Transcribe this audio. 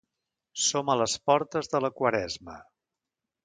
Som a les portes de la Quaresma.